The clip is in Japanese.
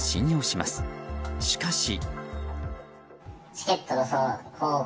しかし。